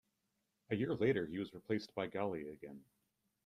A year later he was replaced by Ghali again.